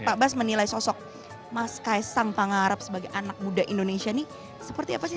pak bas menilai sosok mas kaisang pangarap sebagai anak muda indonesia ini seperti apa sih